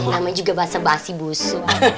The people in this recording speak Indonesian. namanya juga basah basih busuk